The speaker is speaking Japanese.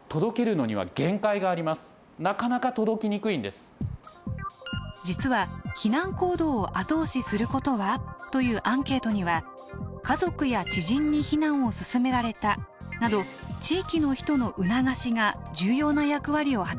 でも実は「避難行動を後押しすることは？」というアンケートには「家族や知人に避難をすすめられた」など地域の人の促しが重要な役割を果たしていました。